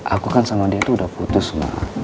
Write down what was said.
aku kan sama dia tuh udah putus ma